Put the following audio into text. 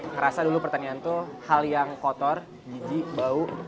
ngerasa dulu pertanyaan itu hal yang kotor jijik bau